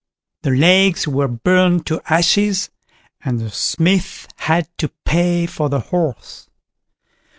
The legs were burnt to ashes, and the Smith had to pay for the horse.